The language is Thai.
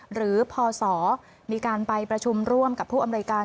หรือพศมีการไปประชุมร่วมกับผู้อำนวยการ